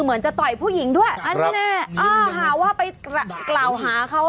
เหมือนจะต่อยผู้หญิงด้วยอันนี้แน่หาว่าไปกล่าวหาเขา